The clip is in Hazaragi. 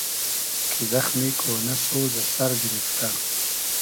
کی زئخمی کۉنۂ سۉز از سئر گیریفتۂ